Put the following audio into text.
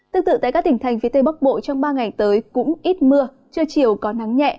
tương tự tại các tỉnh thành phía tây bắc bộ trong ba ngày tới cũng ít mưa trưa chiều có nắng nhẹ